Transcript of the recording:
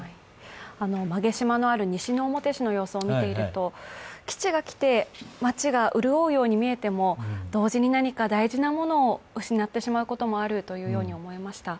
馬毛島のある西之表市の様子を見ていると、基地が来て、町が潤うように見えても、同時に何か大事なものを失ってしまうこともあるというように思いました。